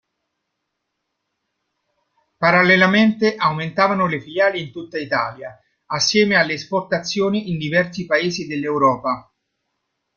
Parallelamente aumentavano le filiali in tutta Italia, assieme alle esportazioni in diversi paesi dell'Europa.